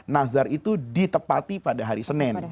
nazar itu ditepati pada hari senin